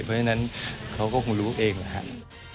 เพราะฉะนั้นเขาก็คงรู้เองแหละครับ